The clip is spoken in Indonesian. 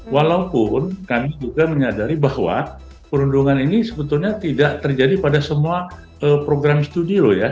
walaupun kami juga menyadari bahwa perundungan ini sebetulnya tidak terjadi pada semua program studi loh ya